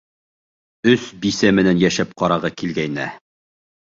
Өс бисә менән йәшәп ҡарағы килгәйне!